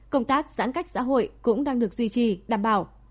công tác giãn cách xã hội cũng đang được duy trì đảm bảo